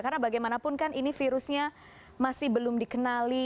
karena bagaimanapun kan ini virusnya masih belum dikenali